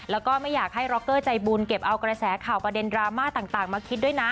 แล้วก็ไม่อยากให้ร็อกเกอร์ใจบุญเก็บเอากระแสข่าวประเด็นดราม่าต่างมาคิดด้วยนะ